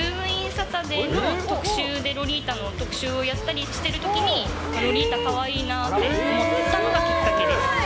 サタデーの特集でロリータの特集をやったりしてるときに、ロリータかわいいなって思ったのがきっかけです。